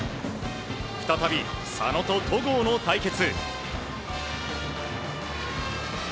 再び、佐野と戸郷の対決。